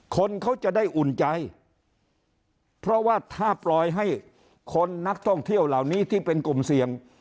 คนเขาจะได้อุ่นใจเพราะว่าถ้าปล่อยให้คนนักท่องเที่ยวเหล่านี้ที่เป็นกลุ่มเสี่ยง